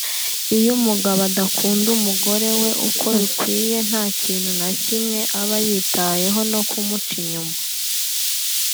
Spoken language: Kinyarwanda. Iyo umugabo adakunda umugore we uko bikwiye nta kintu na kimwe abayitayeho no kumuca inyuma